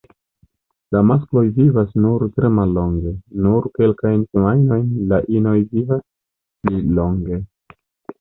La maskloj vivas nur tre mallonge, nur kelkajn semajnojn, la inoj vivas pli longe.